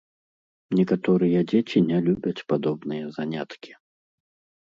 Некаторыя дзеці не любяць падобныя заняткі.